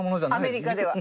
アメリカでは。